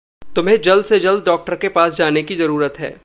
तुम्हें जल्द-से-जल्द डॉक्टर के पास जाने की ज़रूरत है।